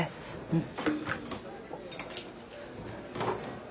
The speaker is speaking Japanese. うん。